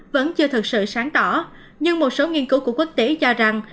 vẫn chưa thật sự sáng tỏ nhưng một số nghiên cứu của quốc tế cho rằng